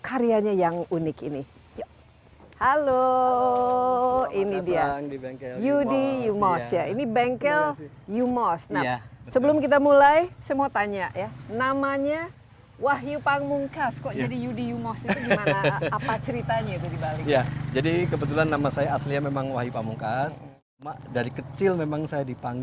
karena kamu adalah sebahagian dari komunitas vw